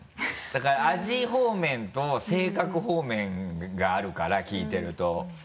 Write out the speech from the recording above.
だから味方面と性格方面があるから聞いてると。